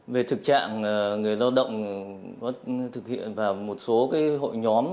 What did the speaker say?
về thực trạng người lao động có thực hiện vào một số hội nhóm